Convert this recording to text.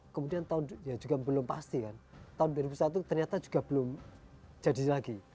kemudian tahun ya juga belum pasti kan tahun dua ribu satu ternyata juga belum jadi lagi